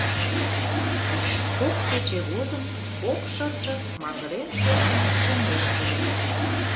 Кок кече годым кок шырчык магырен-шортын чоҥештыле...